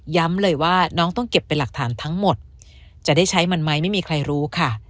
เลยว่าน้องต้องเก็บเป็นหลักฐานทั้งหมดจะได้ใช้มันไหมไม่มีใครรู้ค่ะ